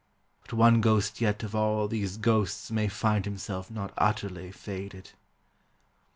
But one ghost yet of all these ghosts may find Himself not utterly faded.